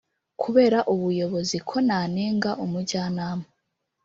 kubera ubuyobozi ko nanenga umujyanama